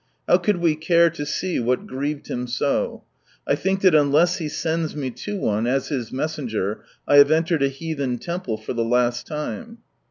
How could we care to see what grieved Him so? I think that unless He sends me to one, as His messenger, I have entered a heathen temple for the last time.